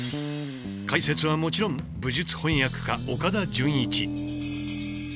解説はもちろん武術翻訳家岡田准一。